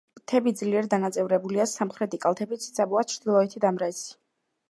მთები ძლიერ დანაწევრებულია, სამხრეთი კალთები ციცაბოა, ჩრდილოეთი დამრეცი.